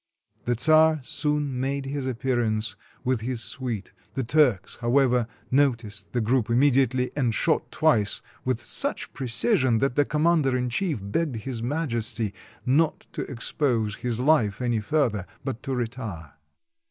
The czar soon made his appearance with his suite; the Turks, however, noticed the group immediately, and shot twice with such precision that the commander in chief begged His Majesty not to expose his life any fur ther, but to retire.